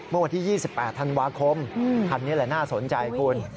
เมื่อวันที่๒๘ธันวาคมคันนี้แหละน่าสนใจคุณ